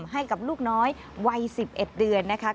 ให้กับลูกน้อยวัย๑๑เดือนนะคะ